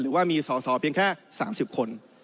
หรือว่ามีส่อเพียงแค่๓๐คน